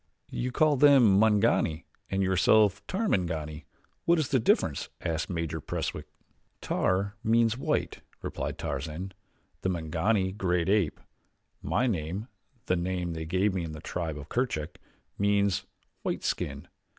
"You call them Mangani and yourself Tarmangani what is the difference?" asked Major Preswick. "Tar means white," replied Tarzan, "and Mangani, great ape. My name the name they gave me in the tribe of Kerchak means White skin.